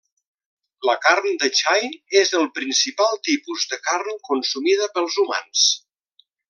La carn de xai és el principal tipus de carn consumida pels humans.